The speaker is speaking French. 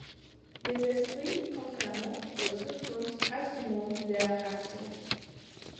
Les esprits contrairement aux substances assument leurs actions.